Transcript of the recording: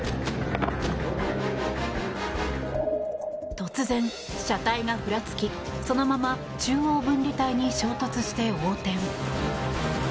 突然、車体がふらつきそのまま中央分離帯に衝突して横転。